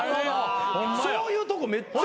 そういうとこめっちゃ。